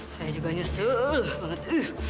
saya juga nyesel banget